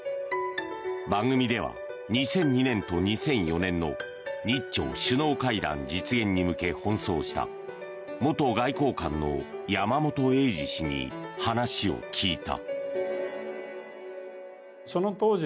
番組では２００２年と２００４年の日朝首脳会談実現に向け奔走した元外交官の山本栄二氏に話を聞いた。